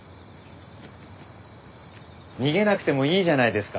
逃げなくてもいいじゃないですか。